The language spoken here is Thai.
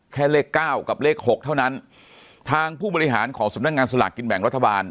แค่เลขเก้ากับเลขหกเท่านั้นทางผู้บริหารของสำนักงานสลากกินแบ่งรัฐบาล